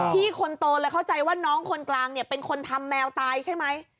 คนโตเลยเข้าใจว่าน้องคนกลางเนี่ยเป็นคนทำแมวตายใช่ไหม